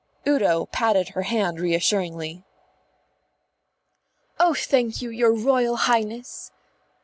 Udo patted her hand reassuringly. "Oh, thank you, your Royal Highness."